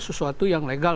sesuatu yang legal